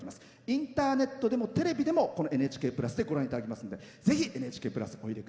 インターネットでもテレビでも「ＮＨＫプラス」でご覧いただけますのでぜひ「ＮＨＫプラス」ご利用